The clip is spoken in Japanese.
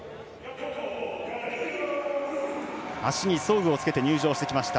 足に装具をつけて入場してきました